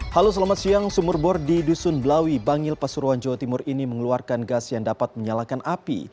halo selamat siang sumur bor di dusun belawi bangil pasuruan jawa timur ini mengeluarkan gas yang dapat menyalakan api